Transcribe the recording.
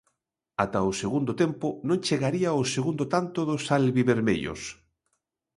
Ata o segundo tempo non chegaría o segundo tanto dos albivermellos.